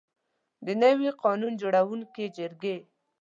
د نوي قانون جوړوونکي جرګې.